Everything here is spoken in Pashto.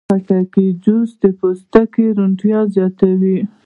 د خټکي جوس د پوستکي روڼتیا زیاتوي.